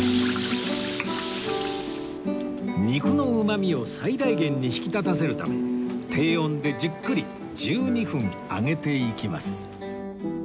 肉のうまみを最大限に引き立たせるため低温でじっくり１２分揚げていきます